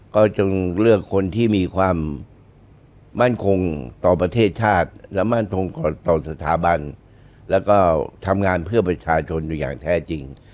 ก็จงเลือกคนที่มีความมั่นคงต่อประเทศชาติและมั่นคงต่อสถาบันแล้วก็ทำงานเพื่อประชาชนอยู่อย่างแท้จริง